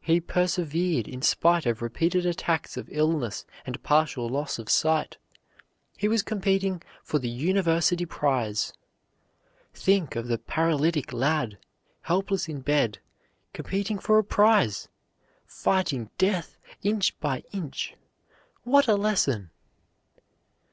He persevered in spite of repeated attacks of illness and partial loss of sight. He was competing for the university prize. Think of the paralytic lad, helpless in bed, competing for a prize, fighting death inch by inch! What a lesson!